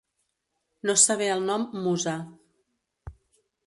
No saber el nom «musa».